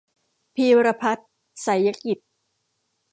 พีรพัฒน์ ไสยกิจ